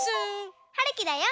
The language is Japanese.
はるきだよ。